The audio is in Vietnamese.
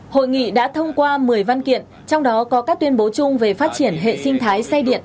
hội nghị đã thông qua một mươi văn kiện trong đó có các tuyên bố chung về phát triển hệ sinh thái xe điện